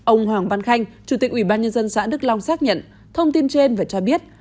ông hoàng văn khanh chủ tịch ủy ban nhân dân xã đức long xác nhận thông tin trên và cho biết